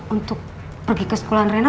untuk pergi ke sekolah adrena